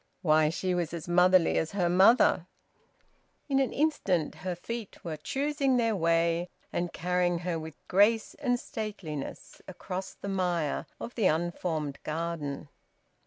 Why, she was as motherly as her mother! In an instant her feet were choosing their way and carrying her with grace and stateliness across the mire of the unformed garden.